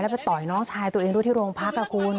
แล้วไปต่อยน้องชายตัวเองดูที่โรงพักกับคุณ